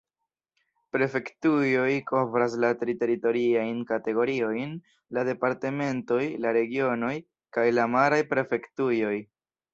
Prefektujoj kovras la tri teritoriajn kategoriojn: la departementoj, la regionoj kaj la maraj prefektujoj.